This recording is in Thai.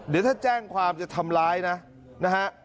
เดี๋ยวถ้าแจ้งความจะทำร้ายนะนะฮะ